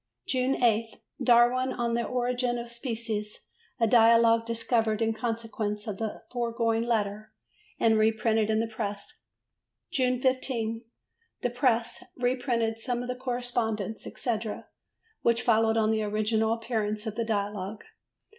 June 8. "Darwin on the Origin of Species. A Dialogue "discovered in consequence of the foregoing letter and reprinted in the Press. June 15. The Press reprinted some of the correspondence, etc. which followed on the original appearance of the Dialogue.